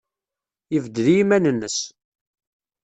Yebded i yiman-nnes.